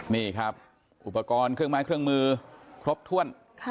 นี่ครับอุปกรณ์เครื่องไม้เครื่องมือครบถ้วน